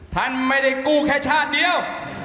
ท่านไม่ได้กู้แค่ชาติเดียว